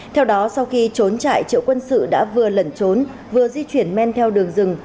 theo đó sau khi trốn trại triệu quân sự đã vừa lẩn trốn vừa di chuyển men theo đường rừng